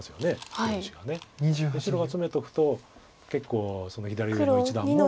白がツメとくと結構左上の一団も。